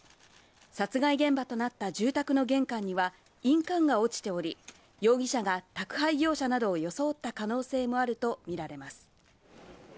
殺害現場となった住宅の玄関には印鑑が落ちており、容疑者が宅配業者などを装った可能性もあるとみられます。